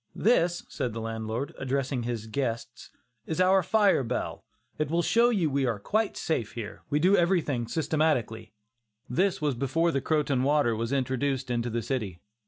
"This," said the landlord, addressing his guests, "is our fire bell; it will show you we are quite safe here; we do everything systematically." This was before the Croton water was introduced into the city.